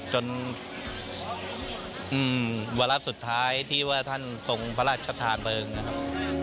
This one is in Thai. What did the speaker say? จนวันละสุดท้ายที่ว่าท่านส่งพระราชชาตาเบิ้ลนะครับ